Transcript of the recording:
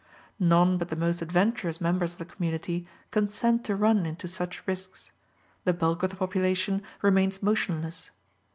None but the most adventurous members of the community consent to run into such risks; the bulk of the population remains motionless.